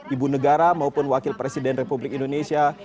ibu negara maupun wakil presiden republik indonesia